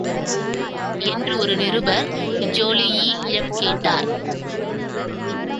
என்று ஒரு நிருபர் ஜோலூயியிடம் கேட்டார்.